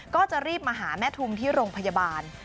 ก็จะรีบมาหาแม่ทุมที่โรงพยาบาล